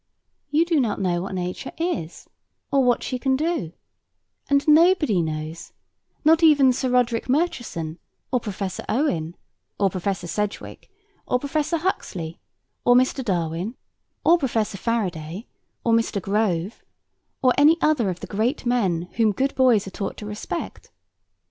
You do not know what Nature is, or what she can do; and nobody knows; not even Sir Roderick Murchison, or Professor Owen, or Professor Sedgwick, or Professor Huxley, or Mr. Darwin, or Professor Faraday, or Mr. Grove, or any other of the great men whom good boys are taught to respect.